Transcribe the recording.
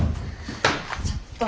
ちょっと。